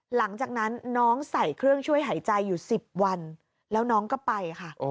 หลังจากนั้นน้องใส่เครื่องช่วยหายใจอยู่๑๐วันแล้วน้องก็ไปค่ะ